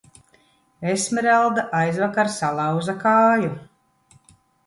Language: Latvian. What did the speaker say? Esmeralda aizvakar salauza kāju.